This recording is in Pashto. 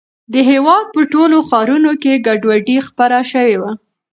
د هېواد په ټولو ښارونو کې ګډوډي خپره شوې وه.